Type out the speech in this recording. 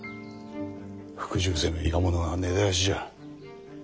服従せぬ伊賀者は根絶やしじゃ。